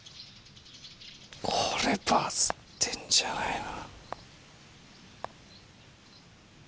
これバズってんじゃないの？